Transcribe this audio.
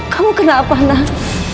kamu kenapa nas